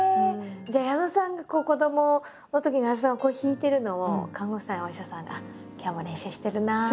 じゃあ矢野さんが子どものときに矢野さんが弾いてるのを看護婦さんやお医者さんが今日も練習してるなって。